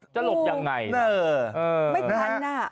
จะหลบยังไงนะไม่ทันอ่ะ